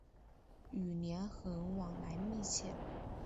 与连横往来密切。